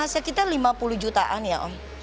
sekitar lima puluh jutaan ya om